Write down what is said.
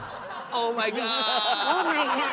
オーマイガー。